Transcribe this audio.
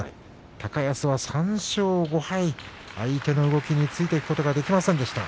高安は３勝５敗、相手の動きについていくことができませんでした。